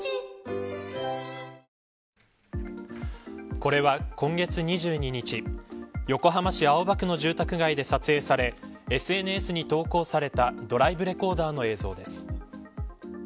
これは、今月２２日横浜市青葉区の住宅街で撮影されＳＮＳに投稿されたドライブレコーダーの映像です。